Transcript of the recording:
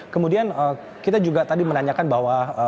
kemudian kita juga tadi menanyakan bahwa